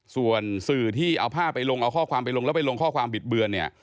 ส่วนสื่อที่เอาภาพไปลงเอาข้อความไปลงแล้วไปลงข้อความบิดเบือนเนี่ย